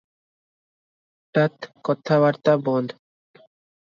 ହଠାତ୍ କଥାବାର୍ତ୍ତା ବନ୍ଦ ।